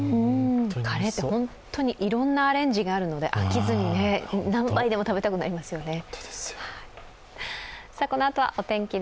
カレーって本当にいろんなアレンジがあるので飽きずに何杯でも食べたくなりますよね。